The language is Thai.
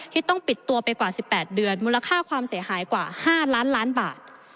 ที่ต้องปิดตัวไปกว่า๑๘เดือนมูลค่าความเสียหายกว่า๕ล้านล้านบาท